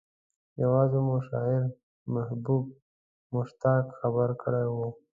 يوازې مو شاعر محبوب مشتاق خبر کړی و.